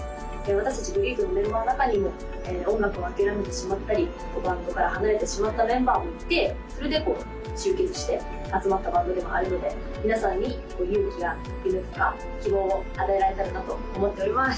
私達ＧЯｅｅＤのメンバーの中にも音楽を諦めてしまったりバンドから離れてしまったメンバーもいてそれでこう集結して集まったバンドでもあるので皆さんに勇気や夢とか希望を与えられたらなと思っております